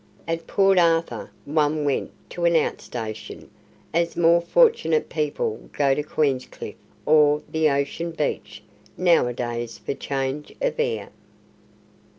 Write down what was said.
At Port Arthur one went to an out station, as more fortunate people go to Queenscliff or the Ocean Beach now a days for "change of air".